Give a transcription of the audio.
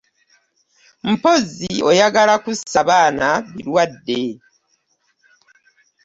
Mpozzi oyagala kusaabaana birwadde.